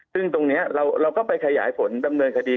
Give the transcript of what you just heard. ซึ่งตรงนี้เราก็ไปขยายผลดำเนินคดี